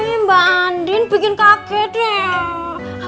ini mbak andin bikin kaget ya